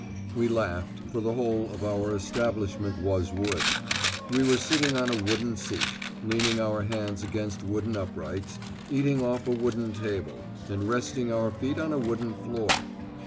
We laughed, for the whole of our establishment was wood. We were sitting on a wooden seat, leaning our hands against wooden uprights, eating off a wooden table, and resting our feet on a wooden floor.